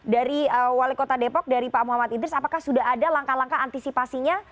dari wali kota depok dari pak muhammad idris apakah sudah ada langkah langkah antisipasinya